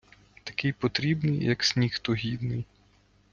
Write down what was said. Такий потрібний, як сніг тогідний.